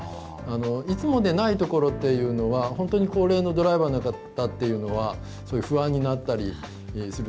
いつもでないところというのは本当に高齢のドライバーの方というのは不安になったりする。